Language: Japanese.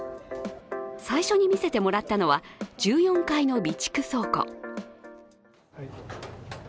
最初に見せてもらったのは１４階の備蓄倉庫。